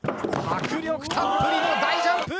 迫力たっぷりの大ジャンプ！